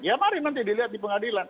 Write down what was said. ya mari nanti dilihat di pengadilan